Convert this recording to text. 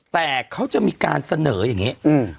แต่เขาจะมีการเสนออย่างนี้